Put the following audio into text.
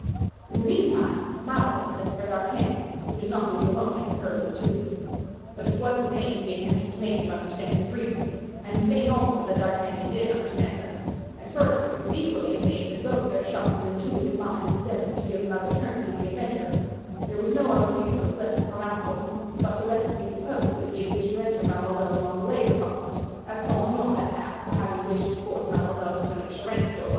In the meantime, Malicorne sent for D'Artagnan, who did not lose a moment in hurrying to him. But it was in vain he attempted to make him understand his reasons, and in vain also that D'Artagnan did understand them; and, further, it was equally in vain that both their sharp and intuitive minds endeavored to give another turn to the adventure; there was no other resource left for Malicorne but to let it be supposed that he had wished to enter Mademoiselle de Montalais's apartment, as Saint Aignan had passed for having wished to force Mademoiselle de Tonnay Charente's door.